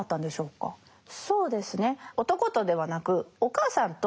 そうですね。